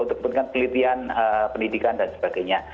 untuk kepentingan penelitian pendidikan dan sebagainya